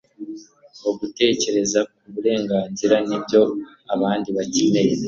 no gutekereza ku burenganzira n'ibyo abandi bakeneye